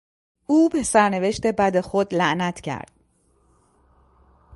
او به سرنوشت بد خود لعنت کرد.